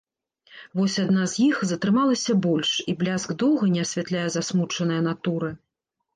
Вось адна з іх затрымалася больш, і бляск доўга не асвятляе засмучанае натуры.